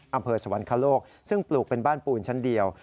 อำเภอสวรรคโลกซึ่งปลูกเป็นบ้านปูนชั้นเดียว